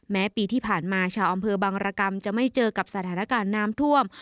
แม้ปีที่ผ่านมาชาวอำเภอบังรกรรมจะไม่เจอกับสถานการณ์น้ำท่วม